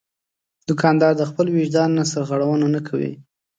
دوکاندار د خپل وجدان نه سرغړونه نه کوي.